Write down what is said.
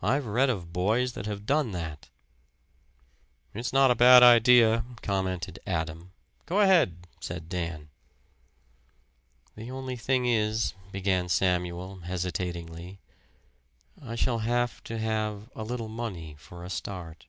I've read of boys that have done that." "It's not a bad idea," commented Adam. "Go ahead," said Dan. "The only thing is," began Samuel, hesitatingly, "I shall have to have a little money for a start."